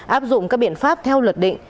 áp dụng các biện pháp theo luật định